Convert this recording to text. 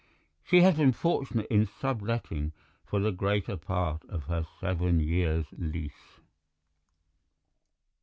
She has been fortunate in sub letting for the greater part of her seven years' lease.